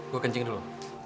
gue kencing dulu